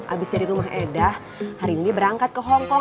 abis dari rumah eda hari ini berangkat ke hongkong